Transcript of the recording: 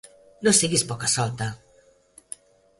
No siguis poca-solta!